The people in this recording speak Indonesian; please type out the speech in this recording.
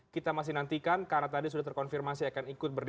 kita masih nantikan karena tadi sudah terkonfirmasi akan ikut berdiri